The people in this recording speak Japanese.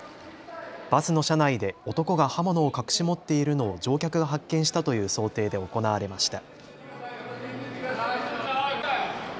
バスの車内で男が刃物を隠し持っているのを乗客が発見したという想定で行われました。